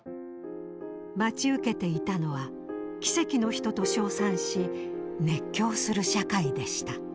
待ち受けていたのは奇跡の人と称賛し熱狂する社会でした。